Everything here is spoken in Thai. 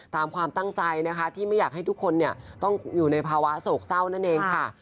ตามความตั้งใจนะคะที่ไม่อยากให้ทุกคนต้องอยู่ในภาวะโศกเศร้านั่นเองค่ะ